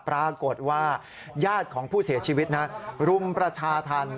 ปรากฏว่าญาติของผู้เสียชีวิตรุมประชาธรรม